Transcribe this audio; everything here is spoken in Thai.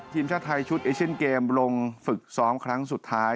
ทีมชาติไทยชุดเอเชียนเกมลงฝึกซ้อมครั้งสุดท้าย